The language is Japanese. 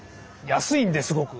安いんですごく。